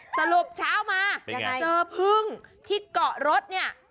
สรุปเช้ามาเจอเพิ่งที่เกาะรถ